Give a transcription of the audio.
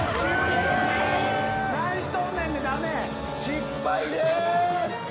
失敗です。